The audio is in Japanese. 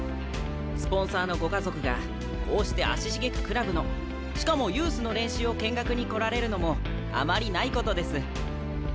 スポンサーのご家族がこうして足しげくクラブのしかもユースの練習を見学に来られるのもあまりないことです。